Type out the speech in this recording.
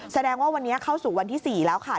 แสดงว่าวันนี้เข้าสู่วันที่๔แล้วค่ะ